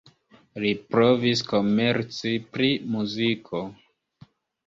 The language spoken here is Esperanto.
Li provis komerci pri muziko.